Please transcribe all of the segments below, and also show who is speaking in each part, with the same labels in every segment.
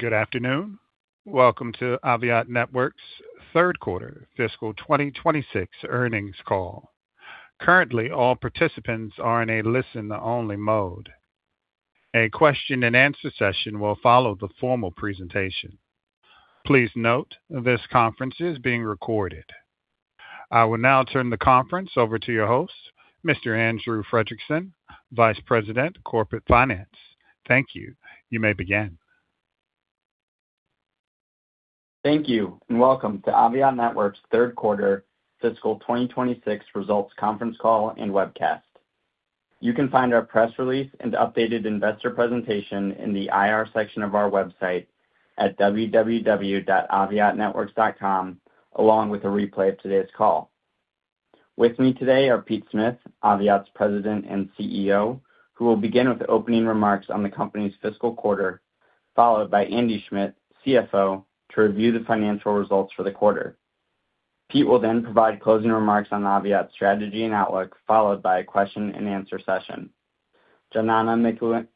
Speaker 1: Good afternoon. Welcome to Aviat Networks' third quarter fiscal 2026 earnings call. Currently, all participants are in a listen-only mode. A question and answer session will follow the formal presentation. Please note this conference is being recorded. I will now turn the conference over to your host, Mr. Andrew Fredrickson, Vice President, Corporate Finance. Thank you. You may begin.
Speaker 2: Thank you. Welcome to Aviat Networks third quarter fiscal 2026 results conference call and webcast. You can find our press release and updated investor presentation in the IR section of our website at www.aviatnetworks.com, along with a replay of today's call. With me today are Pete Smith, Aviat's President and CEO, who will begin with the opening remarks on the company's fiscal quarter, followed by Andy Schmidt, CFO, to review the financial results for the quarter. Pete will provide closing remarks on Aviat's strategy and outlook, followed by a question and answer session. Jonanna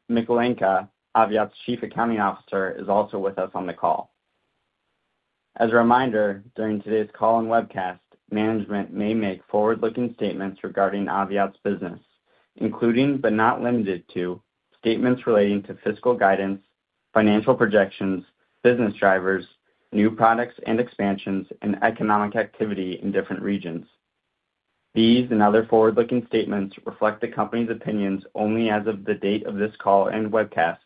Speaker 2: Mikulenka, Aviat's Chief Accounting Officer, is also with us on the call. As a reminder, during today's call and webcast, management may make forward-looking statements regarding Aviat's business, including, but not limited to, statements relating to fiscal guidance, financial projections, business drivers, new products and expansions, and economic activity in different regions. These and other forward-looking statements reflect the company's opinions only as of the date of this call and webcast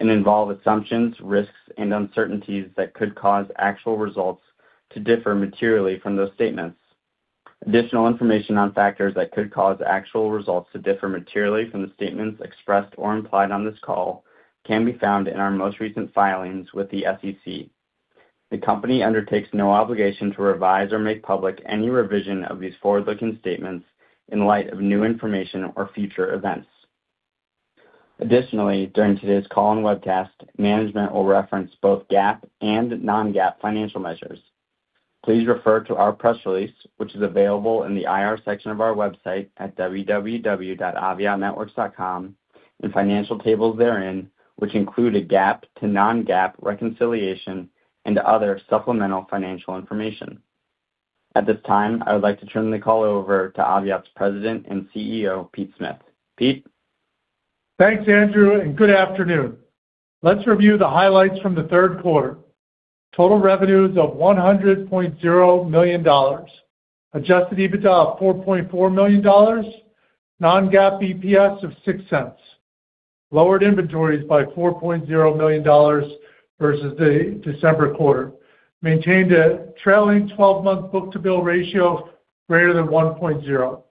Speaker 2: and involve assumptions, risks, and uncertainties that could cause actual results to differ materially from those statements. Additional information on factors that could cause actual results to differ materially from the statements expressed or implied on this call can be found in our most recent filings with the SEC. The company undertakes no obligation to revise or make public any revision of these forward-looking statements in light of new information or future events. Additionally, during today's call and webcast, management will reference both GAAP and non-GAAP financial measures. Please refer to our press release, which is available in the IR section of our website at www.aviatnetworks.com, and financial tables therein, which include a GAAP to non-GAAP reconciliation and other supplemental financial information. At this time, I would like to turn the call over to Aviat's President and CEO, Pete Smith. Pete?
Speaker 3: Thanks, Andrew, and good afternoon. Let's review the highlights from the third quarter. Total revenues of $100.0 million. Adjusted EBITDA of $4.4 million. non-GAAP EPS of $0.06. Lowered inventories by $4.0 million versus the December quarter. Maintained a trailing 12-month book-to-bill ratio greater than 1.0.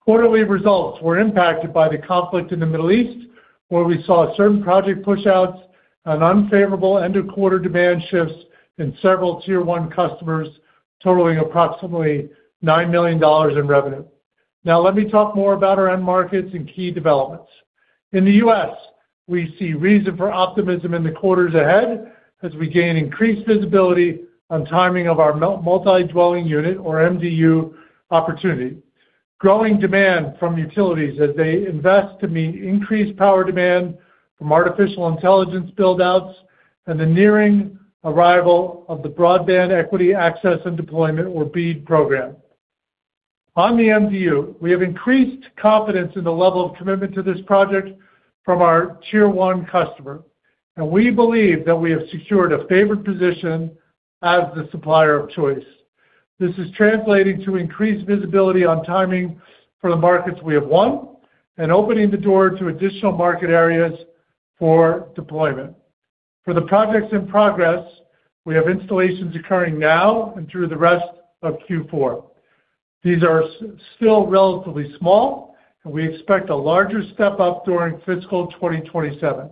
Speaker 3: Quarterly results were impacted by the conflict in the Middle East, where we saw certain project pushouts and unfavorable end-of-quarter demand shifts in several Tier 1 customers totaling approximately $9 million in revenue. Now let me talk more about our end markets and key developments. In the U.S., we see reason for optimism in the quarters ahead as we gain increased visibility on timing of our multi-dwelling unit or MDU opportunity, growing demand from utilities as they invest to meet increased power demand from artificial intelligence build-outs, and the nearing arrival of the Broadband Equity, Access, and Deployment, or BEAD program. On the MDU, we have increased confidence in the level of commitment to this project from our Tier 1 customer, and we believe that we have secured a favored position as the supplier of choice. This is translating to increased visibility on timing for the markets we have won and opening the door to additional market areas for deployment. For the projects in progress, we have installations occurring now and through the rest of Q4. These are still relatively small, and we expect a larger step-up during fiscal 2027.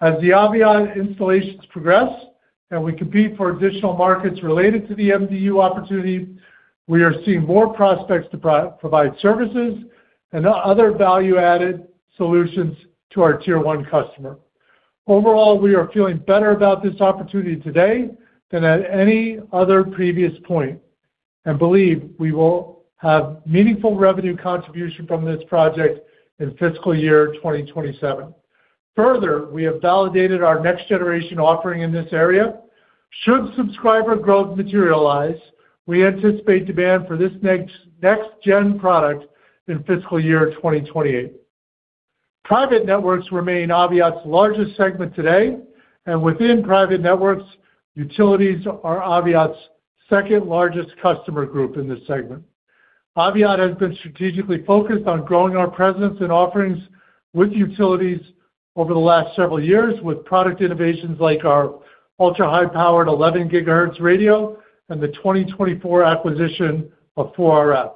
Speaker 3: As the Aviat installations progress and we compete for additional markets related to the MDU opportunity, we are seeing more prospects to provide services and other value-added solutions to our Tier 1 customer. Overall, we are feeling better about this opportunity today than at any other previous point and believe we will have meaningful revenue contribution from this project in fiscal year 2027. Further, we have validated our next-generation offering in this area. Should subscriber growth materialize, we anticipate demand for this next-gen product in fiscal year 2028. Private networks remain Aviat's largest segment today, and within private networks, utilities are Aviat's second-largest customer group in this segment. Aviat has been strategically focused on growing our presence and offerings with utilities over the last several years with product innovations like our ultra-high-powered 11 GHz radio and the 2024 acquisition of 4RF.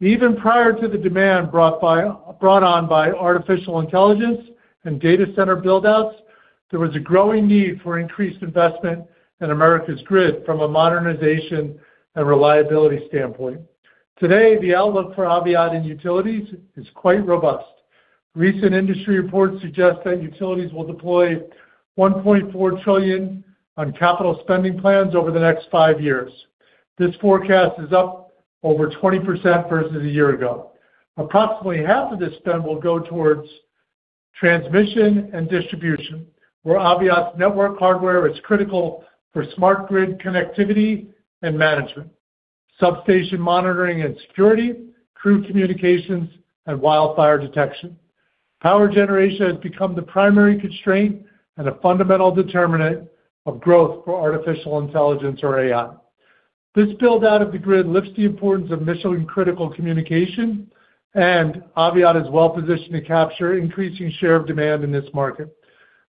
Speaker 3: Even prior to the demand brought on by artificial intelligence and data center build-outs, there was a growing need for increased investment in America's grid from a modernization and reliability standpoint. Today, the outlook for Aviat in utilities is quite robust. Recent industry reports suggest that utilities will deploy $1.4 trillion on capital spending plans over the next five years. This forecast is up over 20% versus a year ago. Approximately half of this spend will go towards transmission and distribution, where Aviat's network hardware is critical for smart grid connectivity and management, substation monitoring and security, crew communications, and wildfire detection. Power generation has become the primary constraint and a fundamental determinant of growth for artificial intelligence or AI. This build-out of the grid lifts the importance of mission and critical communication. Aviat is well-positioned to capture increasing share of demand in this market.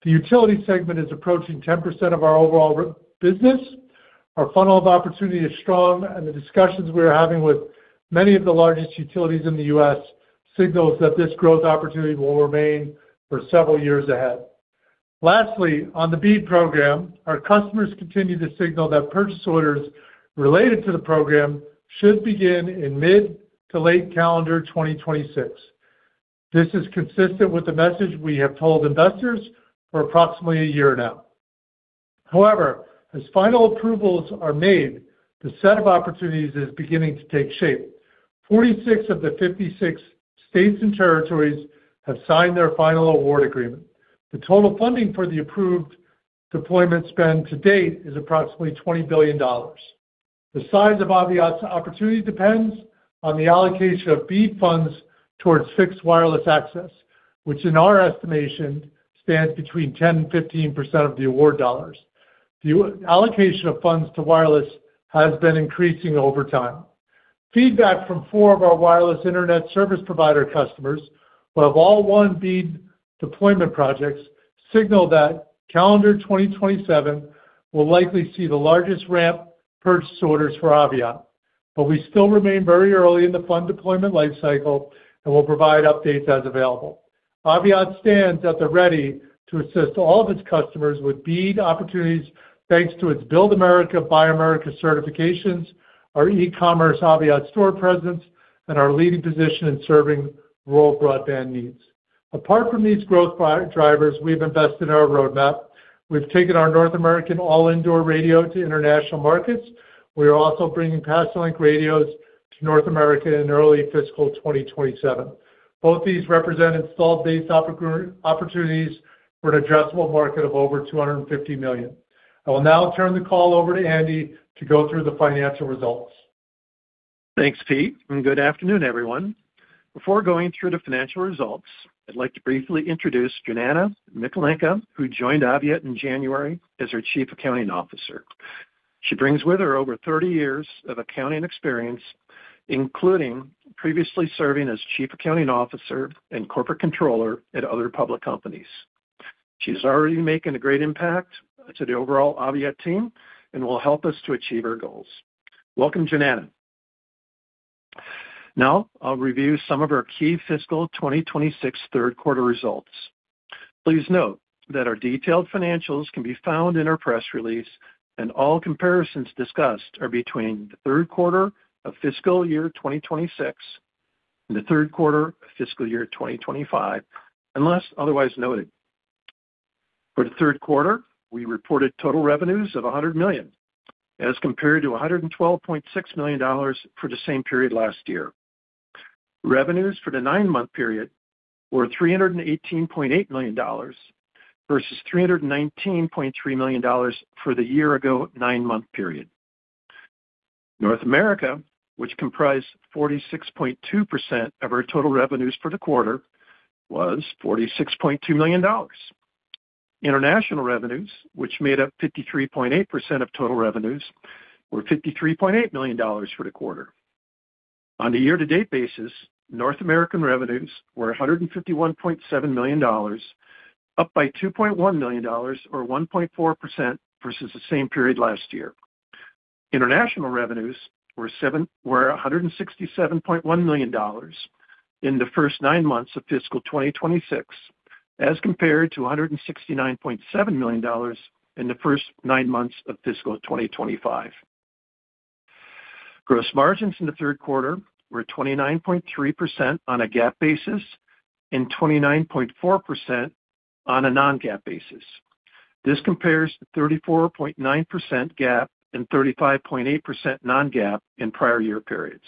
Speaker 3: The utility segment is approaching 10% of our overall business. Our funnel of opportunity is strong. The discussions we are having with many of the largest utilities in the U.S. signals that this growth opportunity will remain for several years ahead. Lastly, on the BEAD Program, our customers continue to signal that purchase orders related to the program should begin in mid to late calendar 2026. This is consistent with the message we have told investors for approximately a year now. As final approvals are made, the set of opportunities is beginning to take shape. 46 of the 56 states and territories have signed their final award agreement. The total funding for the approved deployment spend to date is approximately $20 billion. The size of Aviat's opportunity depends on the allocation of BEAD funds towards fixed wireless access, which in our estimation, stands between 10% and 15% of the award dollars. The allocation of funds to wireless has been increasing over time. Feedback from four of our wireless internet service provider customers who have all won BEAD deployment projects signal that calendar 2027 will likely see the largest ramp purchase orders for Aviat. We still remain very early in the fund deployment lifecycle and will provide updates as available. Aviat stands at the ready to assist all of its customers with BEAD opportunities thanks to its Build America, Buy America certifications, our e-commerce Aviat Store presence, and our leading position in serving rural broadband needs. Apart from these growth drivers, we've invested in our roadmap. We've taken our North American all indoor radio to international markets. We are also bringing Pasolink radios to North America in early fiscal 2027. Both these represent installed base opportunities for an addressable market of over $250 million. I will now turn the call over to Andy to go through the financial results.
Speaker 4: Thanks, Pete, and good afternoon, everyone. Before going through the financial results, I'd like to briefly introduce Jonanna Mikulenka, who joined Aviat in January as our Chief Accounting Officer. She brings with her over 30 years of accounting experience, including previously serving as Chief Accounting Officer and Corporate Controller at other public companies. She's already making a great impact to the overall Aviat team and will help us to achieve our goals. Welcome, Jonanna. Now, I'll review some of our key fiscal 2026 third quarter results. Please note that our detailed financials can be found in our press release, and all comparisons discussed are between the third quarter of fiscal year 2026 and the third quarter of fiscal year 2025, unless otherwise noted. For the third quarter, we reported total revenues of $100 million as compared to $112.6 million for the same period last year. Revenues for the nine-month period were $318.8 million versus $319.3 million for the year-ago nine-month period. North America, which comprised 46.2% of our total revenues for the quarter, was $46.2 million. International revenues, which made up 53.8% of total revenues, were $53.8 million for the quarter. On a year-to-date basis, North American revenues were $151.7 million, up by $2.1 million or 1.4% versus the same period last year. International revenues were $167.1 million in the first nine months of fiscal 2026, as compared to $169.7 million in the first nine months of fiscal 2025. Gross margins in the third quarter were 29.3% on a GAAP basis and 29.4% on a non-GAAP basis. This compares to 34.9% GAAP and 35.8% non-GAAP in prior year periods.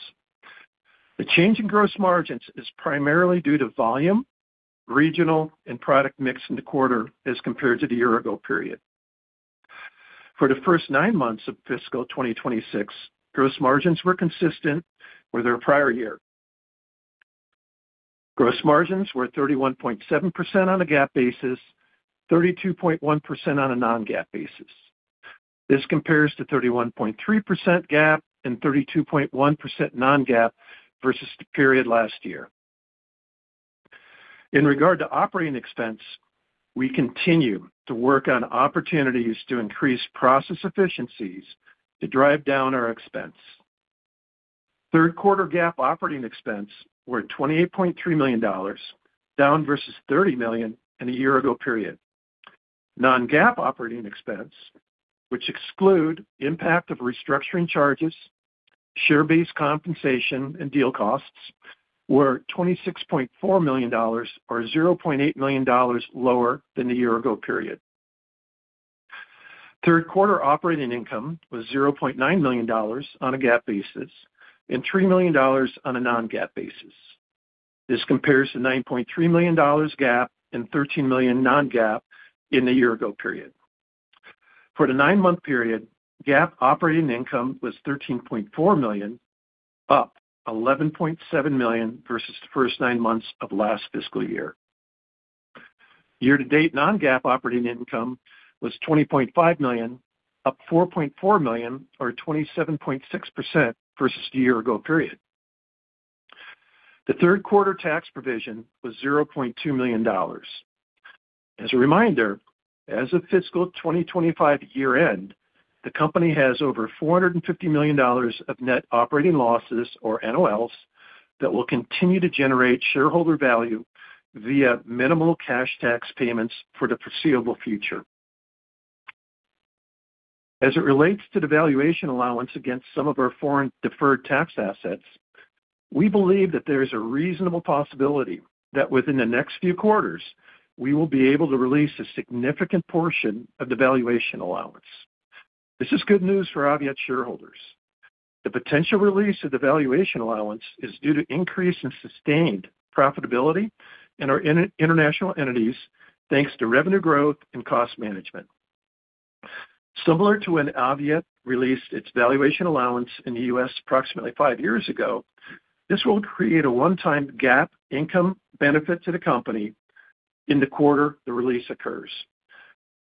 Speaker 4: The change in gross margins is primarily due to volume, regional, and product mix in the quarter as compared to the year-ago period. For the first nine months of fiscal 2026, gross margins were consistent with the prior year. Gross margins were 31.7% on a GAAP basis, 32.1% on a non-GAAP basis. This compares to 31.3% GAAP and 32.1% non-GAAP versus the period last year. In regard to operating expense, we continue to work on opportunities to increase process efficiencies to drive down our expense. Third quarter GAAP operating expense were $28.3 million, down versus $30 million in a year ago period. Non-GAAP operating expense, which exclude impact of restructuring charges, Share-based compensation and deal costs were $26.4 million, or $0.8 million lower than the year ago period. Third quarter operating income was $0.9 million on a GAAP basis and $3 million on a non-GAAP basis. This compares to $9.3 million GAAP and $13 million non-GAAP in the year ago period. For the nine-month period, GAAP operating income was $13.4 million, up $11.7 million versus the first nine months of last fiscal year. Year-to-date non-GAAP operating income was $20.5 million, up $4.4 million or 27.6% versus the year ago period. The third quarter tax provision was $0.2 million. As a reminder, as of fiscal 2025 year end, the company has over $450 million of net operating losses, or NOLs, that will continue to generate shareholder value via minimal cash tax payments for the foreseeable future. As it relates to the valuation allowance against some of our foreign deferred tax assets, we believe that there is a reasonable possibility that within the next few quarters, we will be able to release a significant portion of the valuation allowance. This is good news for Aviat shareholders. The potential release of the valuation allowance is due to increase in sustained profitability in our inter-international entities, thanks to revenue growth and cost management. Similar to when Aviat released its valuation allowance in the U.S. approximately five years ago, this will create a one-time GAAP income benefit to the company in the quarter the release occurs.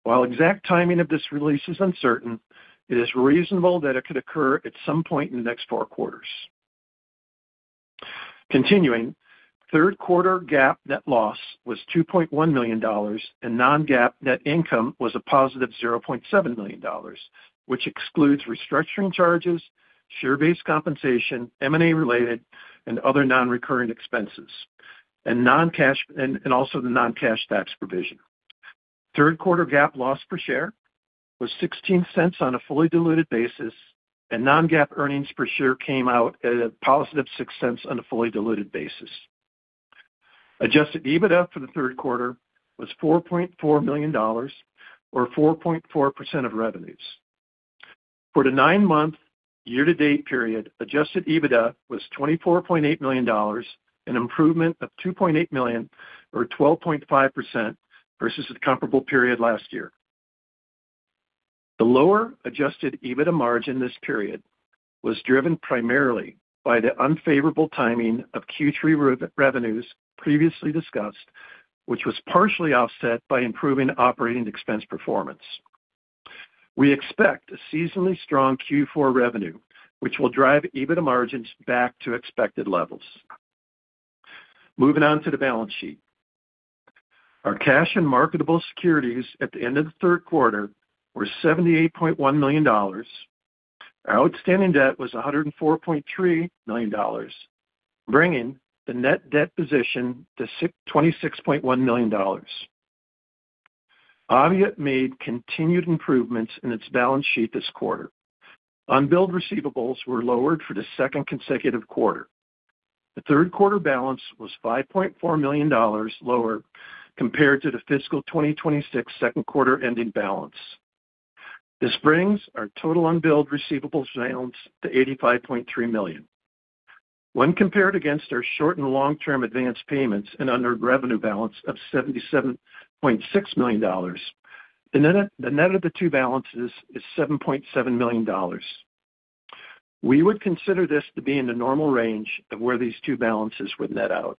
Speaker 4: While exact timing of this release is uncertain, it is reasonable that it could occur at some point in the next four quarters. Continuing, third quarter GAAP net loss was $2.1 million, and non-GAAP net income was a positive $0.7 million, which excludes restructuring charges, share-based compensation, M&A related, and other non-reoccurring expenses, and also the non-cash tax provision. Third quarter GAAP loss per share was $0.16 on a fully diluted basis, and non-GAAP earnings per share came out at a positive $0.06 on a fully diluted basis. Adjusted EBITDA for the third quarter was $4.4 million or 4.4% of revenues. For the nine-month year-to-date period, adjusted EBITDA was $24.8 million, an improvement of $2.8 million or 12.5% versus the comparable period last year. The lower adjusted EBITDA margin this period was driven primarily by the unfavorable timing of Q3 re-revenues previously discussed, which was partially offset by improving operating expense performance. We expect a seasonally strong Q4 revenue, which will drive EBITDA margins back to expected levels. Moving on to the balance sheet. Our cash and marketable securities at the end of the third quarter were $78.1 million. Our outstanding debt was $104.3 million, bringing the net debt position to $26.1 million. Aviat made continued improvements in its balance sheet this quarter. Unbilled receivables were lowered for the second consecutive quarter. The third quarter balance was $5.4 million lower compared to the fiscal 2026 second quarter ending balance. This brings our total unbilled receivables balance to $85.3 million. When compared against our short and long-term advanced payments and unearned revenue balance of $77.6 million, the net of the two balances is $7.7 million. We would consider this to be in the normal range of where these two balances would net out.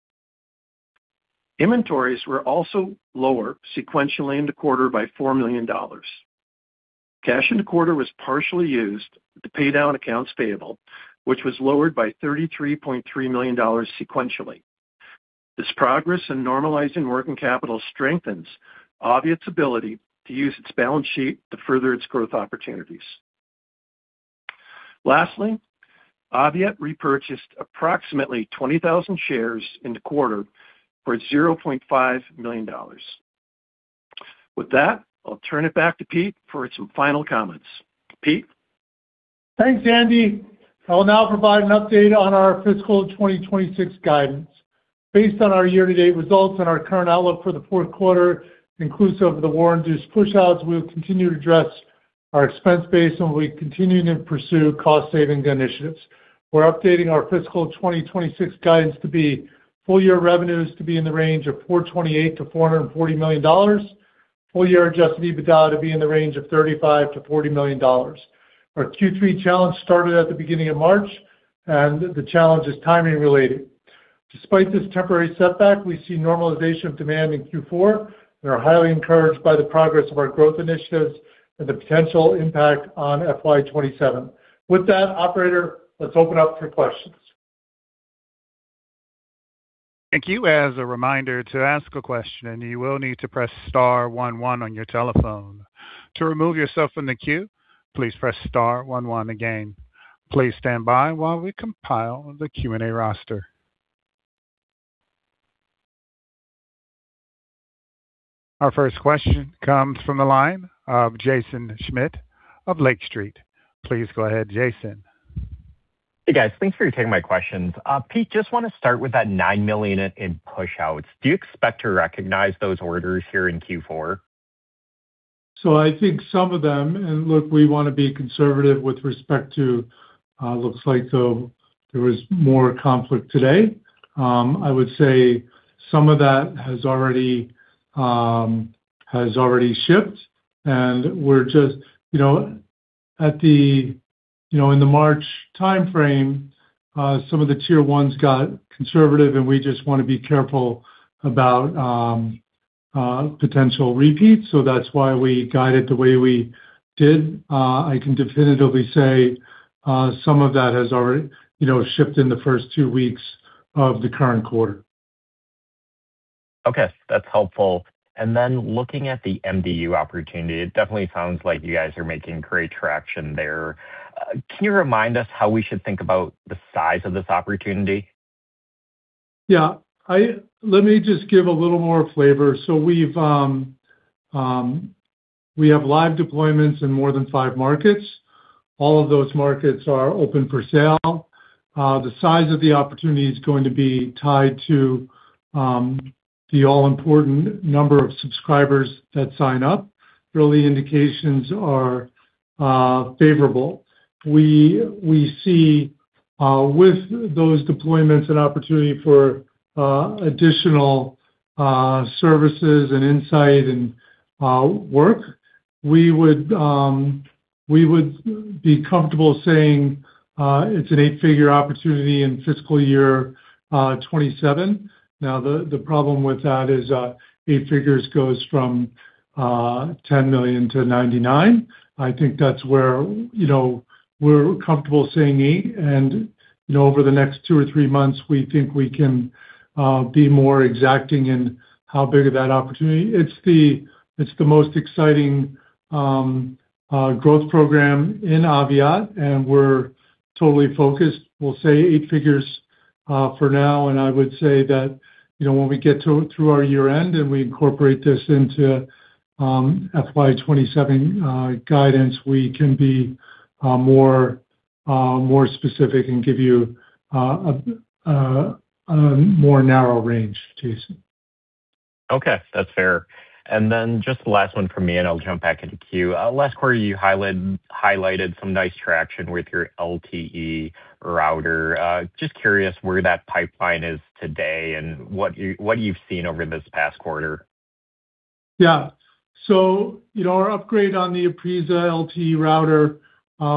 Speaker 4: Inventories were also lower sequentially in the quarter by $4 million. Cash in the quarter was partially used to pay down accounts payable, which was lowered by $33.3 million sequentially. This progress in normalizing working capital strengthens Aviat's ability to use its balance sheet to further its growth opportunities. Lastly, Aviat repurchased approximately 20,000 shares in the quarter for $0.5 million. With that, I'll turn it back to Pete for some final comments. Pete?
Speaker 3: Thanks, Andy. I will now provide an update on our fiscal 2026 guidance. Based on our year-to-date results and our current outlook for the fourth quarter, inclusive of the war-induced pushouts, we will continue to address our expense base, and we're continuing to pursue cost-saving initiatives. We're updating our fiscal 2026 guidance to be full year revenues to be in the range of $428 million-$440 million, full year adjusted EBITDA to be in the range of $35 million-$40 million. Our Q3 challenge started at the beginning of March, and the challenge is timing related. Despite this temporary setback, we see normalization of demand in Q4. We are highly encouraged by the progress of our growth initiatives and the potential impact on FY 2027. With that, operator, let's open up for questions.
Speaker 1: Thank you. As a reminder, to ask a question, you will need to press star one one on your telephone. To remove yourself from the queue, please press star one one again. Please stand by while we compile the Q&A roster. Our first question comes from the line of Jaeson Schmidt of Lake Street. Please go ahead, Jaeson.
Speaker 5: Hey, guys. Thanks for taking my questions. Pete, just wanna start with that $9 million in push-outs. Do you expect to recognize those orders here in Q4?
Speaker 3: I think some of them. Look, we wanna be conservative with respect to, looks like, there was more conflict today. I would say some of that has already, has already shipped, and we're just, you know, in the March timeframe, some of the tier 1s got conservative, and we just wanna be careful about potential repeats. That's why we guide it the way we did. I can definitively say, some of that has already, you know, shipped in the first two weeks of the current quarter.
Speaker 5: Okay, that's helpful. Looking at the MDU opportunity, it definitely sounds like you guys are making great traction there. Can you remind us how we should think about the size of this opportunity?
Speaker 3: Let me just give a little more flavor. We've, we have live deployments in more than five markets. All of those markets are open for sale. The size of the opportunity is going to be tied to the all-important number of subscribers that sign up. Early indications are favorable. We see with those deployments an opportunity for additional services and insight and work. We would be comfortable saying it's an eight-figure opportunity in fiscal year 2027. The problem with that is eight figures goes from $10 million-$99 million. I think that's where, you know, we're comfortable saying eight. You know, over the next two or three months, we think we can be more exacting in how big of that opportunity. It's the most exciting growth program in Aviat. We're totally focused. We'll say eight figures for now, I would say that, you know, when we get through our year-end and we incorporate this into FY 2027 guidance, we can be more specific and give you a more narrow range, Jaeson.
Speaker 5: Okay, that's fair. Just the last one from me, and I'll jump back into queue. Last quarter, you highlighted some nice traction with your LTE router. Just curious where that pipeline is today and what you've seen over this past quarter.
Speaker 3: You know, our upgrade on the Aprisa LTE router,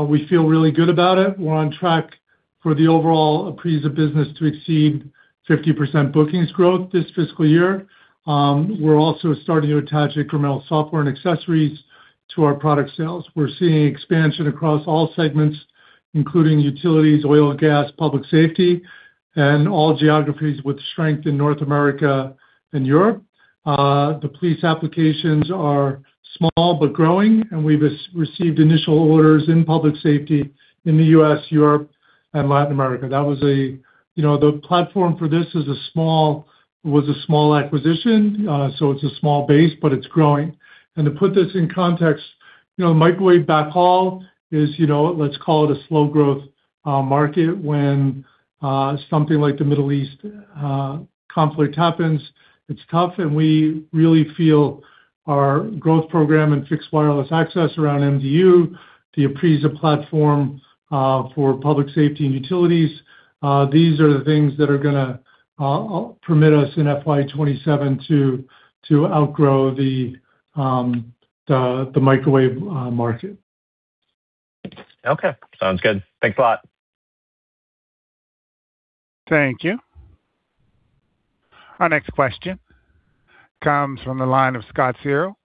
Speaker 3: we feel really good about it. We're on track for the overall Aprisa business to exceed 50% bookings growth this fiscal year. We're also starting to attach incremental software and accessories to our product sales. We're seeing expansion across all segments, including utilities, oil and gas, public safety, and all geographies with strength in North America and Europe. The police applications are small but growing, and we've received initial orders in public safety in the U.S., Europe, and Latin America. That was a, you know, the platform for this was a small acquisition, so it's a small base, but it's growing. To put this in context, you know, microwave backhaul is, you know, let's call it a slow growth market. When something like the Middle East conflict happens, it's tough, and we really feel our growth program and fixed wireless access around MDU, the Aprisa platform, for public safety and utilities, these are the things that are gonna permit us in FY 2027 to outgrow the microwave market.
Speaker 5: Okay. Sounds good. Thanks a lot.
Speaker 1: Thank you. Our next question comes from the line of Scott Searle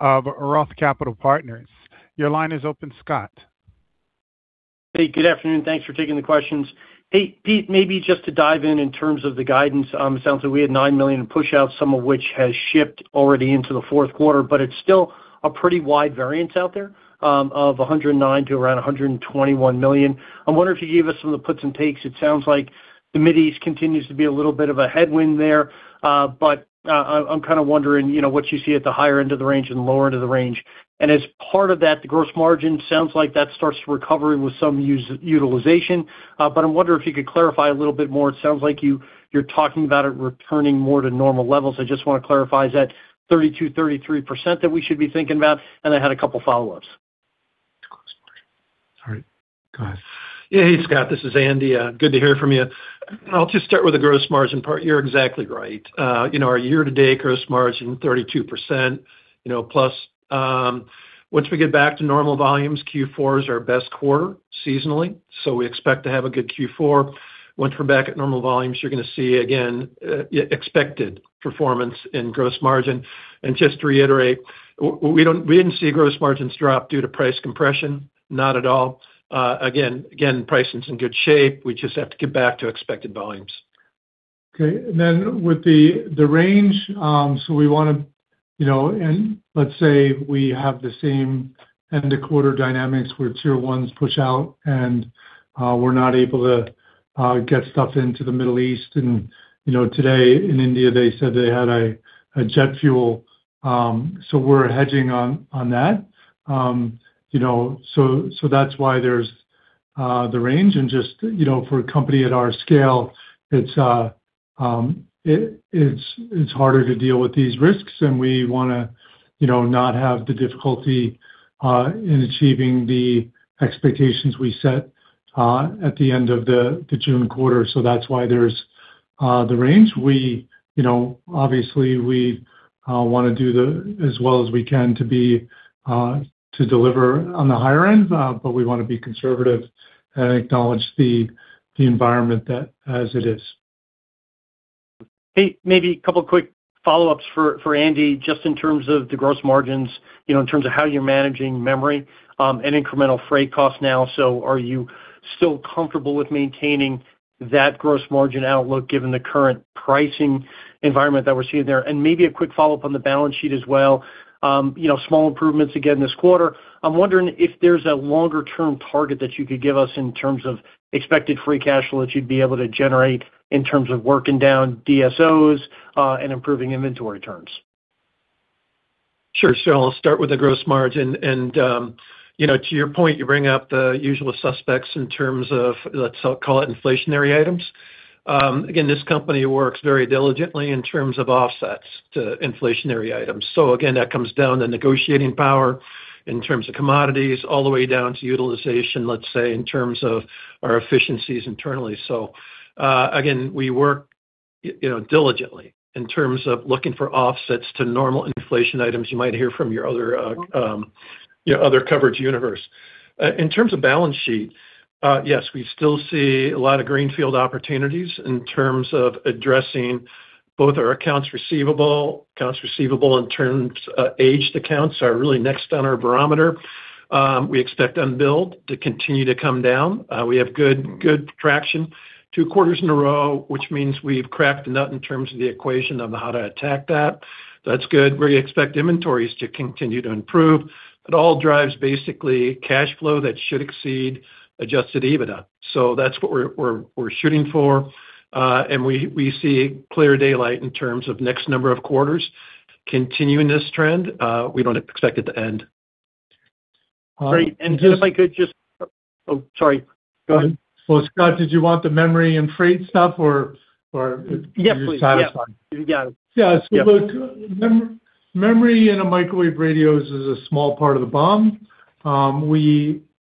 Speaker 1: of ROTH Capital Partners. Your line is open, Scott.
Speaker 6: Good afternoon. Thanks for taking the questions. Pete, maybe just to dive in in terms of the guidance. It sounds like we had $9 million in pushouts, some of which has shipped already into the fourth quarter, but it's still a pretty wide variance out there of $109 million to around $121 million. I'm wondering if you gave us some of the puts and takes. It sounds like the Mideast continues to be a little bit of a headwind there. I'm kinda wondering, you know, what you see at the higher end of the range and lower end of the range. As part of that, the gross margin sounds like that starts to recover with some US utilization. I wonder if you could clarify a little bit more. It sounds like you're talking about it returning more to normal levels. I just wanna clarify, is that 32%, 33% that we should be thinking about? I had a couple follow-ups.
Speaker 4: All right, go ahead. Yeah. Hey, Scott. This is Andy. Good to hear from you. I'll just start with the gross margin part. You're exactly right. You know, our year-to-date gross margin, 32%. You know, plus, once we get back to normal volumes, Q4 is our best quarter seasonally, we expect to have a good Q4. Once we're back at normal volumes, you're gonna see again, expected performance in gross margin. Just to reiterate, we didn't see gross margins drop due to price compression. Not at all. Again, pricing's in good shape. We just have to get back to expected volumes.
Speaker 3: Okay. Then with the range, we want to, you know, let's say we have the same end of quarter dynamics where tier ones push out and we're not able to get stuff into the Middle East. You know, today in India, they said they had a jet fuel, we're hedging on that. You know, that's why there's the range and just, you know, for a company at our scale, it's harder to deal with these risks and we wanna, you know, not have the difficulty in achieving the expectations we set at the end of the June quarter. That's why there's the range. We, you know, obviously we wanna do as well as we can to deliver on the higher end, but we want to be conservative and acknowledge the environment as it is.
Speaker 6: Hey, maybe a couple quick follow-ups for Andy, just in terms of the gross margins, you know, in terms of how you're managing memory and incremental freight costs now. Are you still comfortable with maintaining that gross margin outlook given the current pricing environment that we're seeing there? Maybe a quick follow-up on the balance sheet as well. You know, small improvements again this quarter. I'm wondering if there's a longer term target that you could give us in terms of expected free cash flow that you'd be able to generate in terms of working down DSOs and improving inventory terms.
Speaker 4: Sure. I'll start with the gross margin and, you know, to your point, you bring up the usual suspects in terms of let's call it inflationary items. Again, this company works very diligently in terms of offsets to inflationary items. Again, that comes down to negotiating power in terms of commodities, all the way down to utilization, let's say, in terms of our efficiencies internally. Again, we work, you know, diligently in terms of looking for offsets to normal inflation items you might hear from your other coverage universe. In terms of balance sheet, yes, we still see a lot of greenfield opportunities in terms of addressing both our accounts receivable. Accounts receivable in terms, aged accounts are really next on our barometer. We expect unbilled to continue to come down. We have good traction two quarters in a row, which means we've cracked the nut in terms of the equation on how to attack that. That's good. We expect inventories to continue to improve. It all drives basically cash flow that should exceed adjusted EBITDA. That's what we're shooting for. We see clear daylight in terms of next number of quarters continuing this trend. We don't expect it to end.
Speaker 6: Great. Oh, sorry. Go ahead.
Speaker 3: Well, Scott, did you want the memory and freight stuff?
Speaker 6: Yes, please.
Speaker 3: You're satisfied.
Speaker 6: Yeah.
Speaker 3: Look, memory in a microwave radios is a small part of the BOM.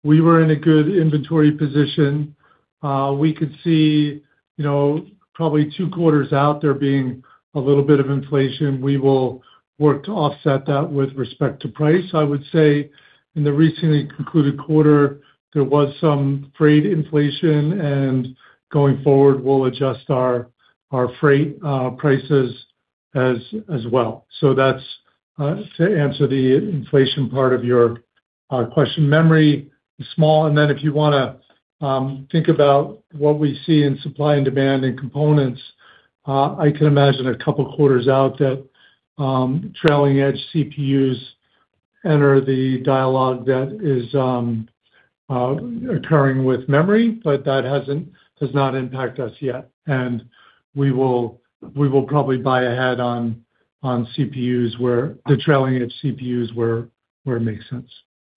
Speaker 3: We were in a good inventory position. We could see, you know, probably two quarters out there being a little bit of inflation. We will work to offset that with respect to price. I would say in the recently concluded quarter, there was some freight inflation, and going forward, we'll adjust our freight prices as well. That's to answer the inflation part of your question. Memory is small. If you want to think about what we see in supply and demand and components, I can imagine a couple quarters out that trailing edge CPUs enter the dialogue that is occurring with memory, but that does not impact us yet. We will probably buy ahead on CPUs where the trailing edge CPUs where it makes sense.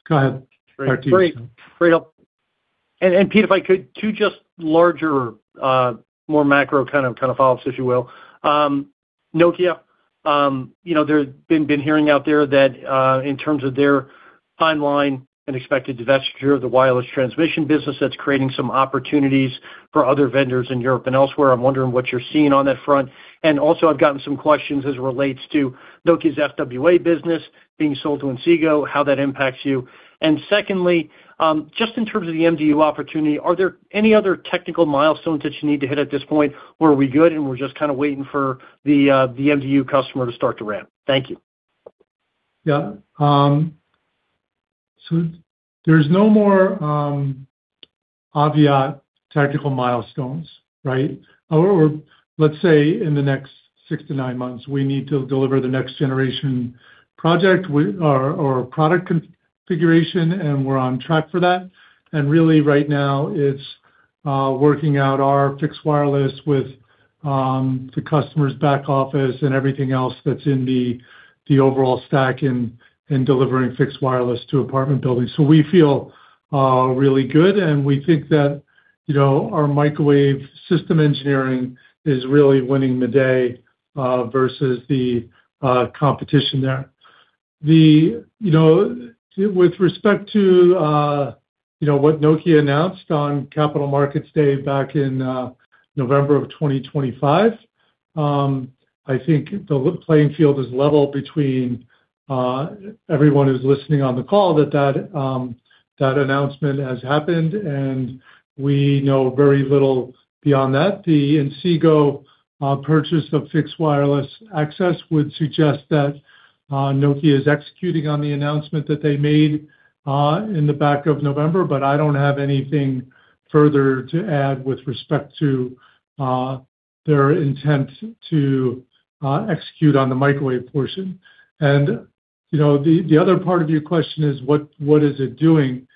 Speaker 3: Go ahead. Back to you, Scott.
Speaker 6: Great help. Pete, if I could, two just larger, more macro kind of follow-ups, if you will. Nokia, you know, there's been hearing out there that in terms of their timeline and expected divestiture of the wireless transmission business, that's creating some opportunities for other vendors in Europe and elsewhere. I'm wondering what you're seeing on that front. Also I've gotten some questions as it relates to Nokia's FWA business being sold to Inseego, how that impacts you. Secondly, just in terms of the MDU opportunity, are there any other technical milestones that you need to hit at this point? Or are we good, and we're just kinda waiting for the MDU customer to start to ramp? Thank you.
Speaker 3: Yeah. There's no more Aviat tactical milestones, right? However, let's say in the next six to nine months, we need to deliver the next generation product configuration, and we're on track for that. Really right now it's working out our fixed wireless with the customer's back office and everything else that's in the overall stack in delivering fixed wireless to apartment buildings. We feel really good, and we think that, you know, our microwave system engineering is really winning the day versus the competition there. With respect to, you know, what Nokia announced on Capital Markets Day back in November of 2025, I think the playing field is level between everyone who's listening on the call that announcement has happened, and we know very little beyond that. Inseego purchase of fixed wireless access would suggest that Nokia is executing on the announcement that they made in the back of November, but I don't have anything further to add with respect to their intent to execute on the microwave portion. You know, the other part of your question is what is it doing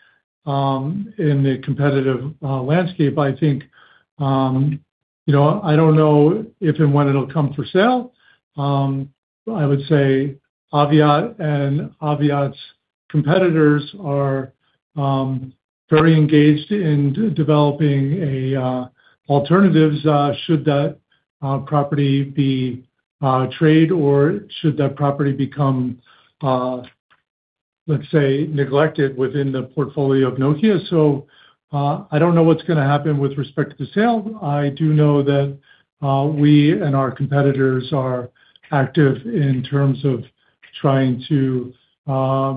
Speaker 3: in the competitive landscape? I think, you know, I don't know if and when it'll come for sale. I would say Aviat and Aviat's competitors are very engaged in developing alternatives should that property be trade or should that property become, let's say, neglected within the portfolio of Nokia. I don't know what's gonna happen with respect to the sale. I do know that we and our competitors are active in terms of trying to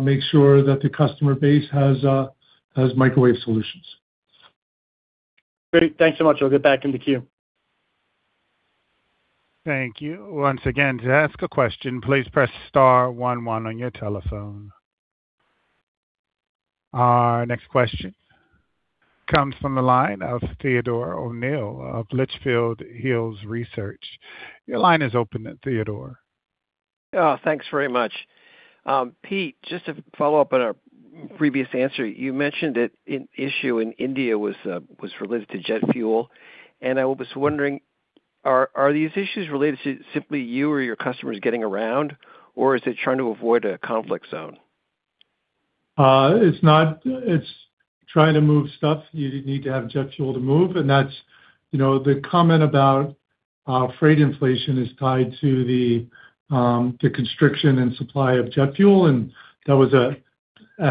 Speaker 3: make sure that the customer base has microwave solutions.
Speaker 6: Great. Thanks so much. I'll get back in the queue.
Speaker 1: Thank you. Once again, to ask a question, please press star one one on your telephone. Our next question comes from the line of Theodore O'Neill of Litchfield Hills Research. Your line is open, Theodore.
Speaker 7: Thanks very much. Pete, just to follow up on a previous answer, you mentioned that an issue in India was related to jet fuel. I was wondering, are these issues related to simply you or your customers getting around, or is it trying to avoid a conflict zone?
Speaker 3: It's not. It's trying to move stuff. You need to have jet fuel to move, and that's, you know, the comment about freight inflation is tied to the constriction and supply of jet fuel. That was a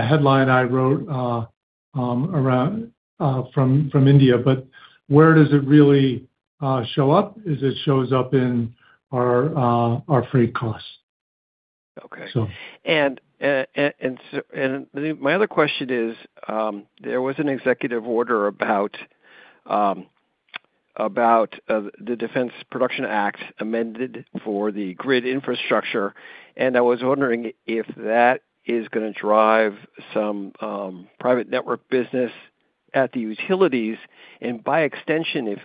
Speaker 3: headline I wrote around from India. Where does it really show up? It shows up in our freight costs.
Speaker 7: Okay.
Speaker 3: So.
Speaker 7: My other question is, there was an executive order about the Defense Production Act amended for the grid infrastructure, and I was wondering if that is gonna drive some private network business at the utilities, and by extension,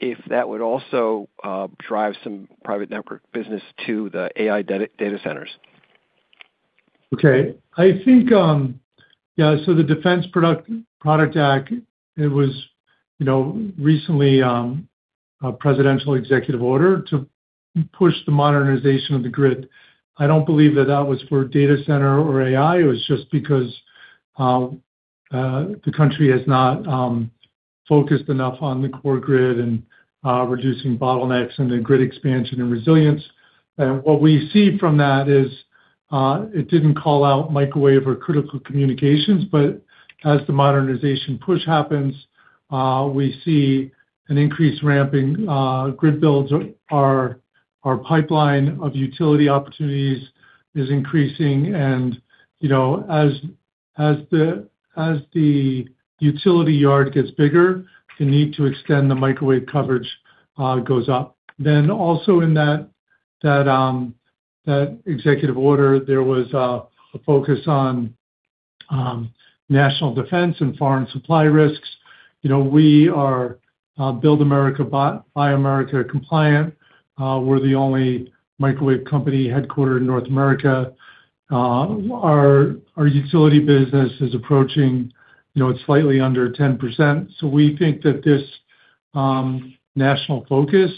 Speaker 7: if that would also drive some private network business to the AI data centers.
Speaker 3: I think, the Defense Production Act, it was, you know, recently a presidential executive order to push the modernization of the grid. I don't believe that that was for data center or AI. It was just because the country has not focused enough on the core grid and reducing bottlenecks and the grid expansion and resilience. What we see from that is it didn't call out microwave or critical communications. As the modernization push happens, we see an increased ramping grid builds. Our pipeline of utility opportunities is increasing. You know, as the utility yard gets bigger, the need to extend the microwave coverage goes up. Also in that executive order, there was a focus on national defense and foreign supply risks. You know, we are Build America, Buy America compliant. We're the only microwave company headquartered in North America. Our utility business is approaching, you know, it's slightly under 10%, so we think that this national focus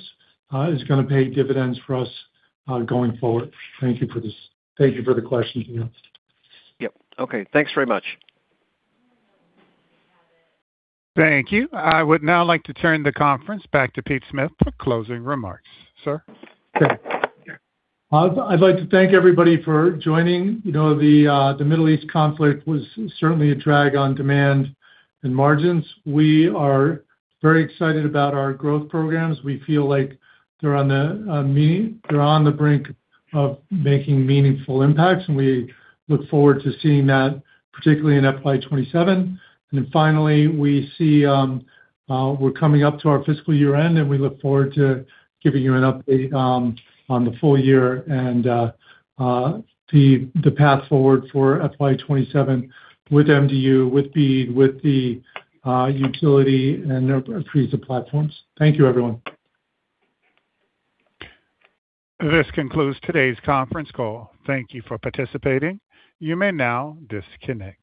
Speaker 3: is gonna pay dividends for us going forward. Thank you for this. Thank you for the question, Theodore.
Speaker 7: Yep. Okay. Thanks very much.
Speaker 1: Thank you. I would now like to turn the conference back to Pete Smith for closing remarks. Sir?
Speaker 3: Okay. I'd like to thank everybody for joining. You know, the Middle East conflict was certainly a drag on demand and margins. We are very excited about our growth programs. We feel like they're on the brink of making meaningful impacts, and we look forward to seeing that, particularly in FY 2027. Finally, we see we're coming up to our fiscal year-end, and we look forward to giving you an update on the full year and the path forward for FY 2027 with MDU, with BEAD, with the utility and increase of platforms. Thank you, everyone.
Speaker 1: This concludes today's conference call. Thank you for participating. You may now disconnect.